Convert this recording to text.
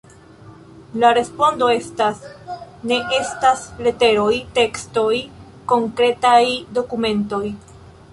La respondo estas: ne estas leteroj, tekstoj, konkretaj dokumentoj.